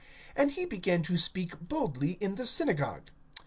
(26)And he began to speak boldly in the synagogue.